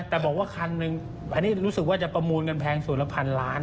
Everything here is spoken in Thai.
แต่บอกว่าคันหนึ่งอันนี้รู้สึกว่าจะประมูลกันแพงสูตรละพันล้าน